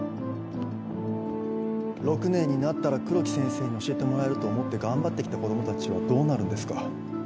６年になったら黒木先生に教えてもらえると思って頑張って来た子供たちはどうなるんですか。